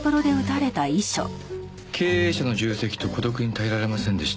「経営者の重責と孤独に耐えられませんでした」